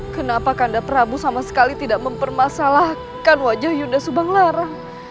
kenapa kanda prabu sama sekali tidak mempermasalahkan wajah yunda subang larang